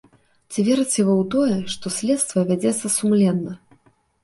Ці верыце вы ў тое, што следства вядзецца сумленна?